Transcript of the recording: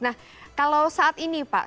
nah kalau saat ini pak